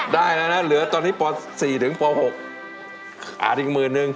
ได้แล้วนะเหลือตอนนี้ป๔ถึงป๖อาจอีกหมื่นนึง